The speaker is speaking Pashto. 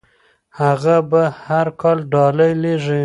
هغه به هر کال ډالۍ لیږي.